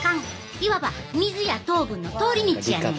いわば水や糖分の通り道やねん。